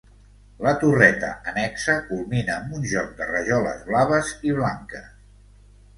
La torreta annexa culmina amb un joc de rajoles blaves i blanques.